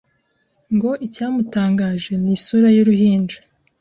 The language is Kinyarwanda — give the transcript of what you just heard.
Ngo icyamutangaje ni isura y’uruhinja